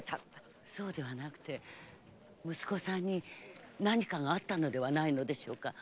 そうではなくて息子さんに何かがあったのではないのでしょうか？